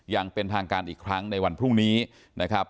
อย่างเป็นทางการอีกครั้งในวันพรุ่งนี้นะครับ